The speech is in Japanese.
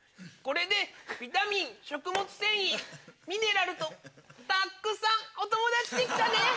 これでビタミン食物繊維ミネラルとたっくさんお友達できたね！